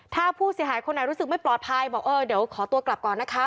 ถ้าผู้เสียหายคนไหนรู้สึกไม่ปลอดภัยบอกเออเดี๋ยวขอตัวกลับก่อนนะคะ